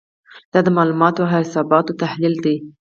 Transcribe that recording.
دا د معلوماتو او حساباتو تحلیل دی.